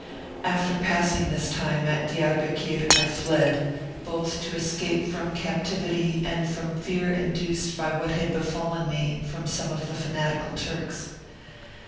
After passing this time at Diarbekir I fled, both to escape from captivity and from fear induced by what had befallen me from some of the fanatical Turks.